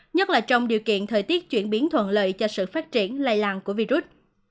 nhất là trong điều kiện thời tiết chuyển biến thuận lợi cho sự phát triển lây lan của virus